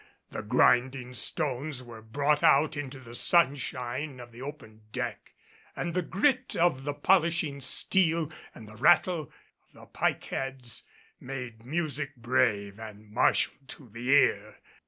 The grinding stones were brought out into the sunshine of the open deck and the grit of the polishing steel and the rattle of the pike heads made music brave and martial to the ear.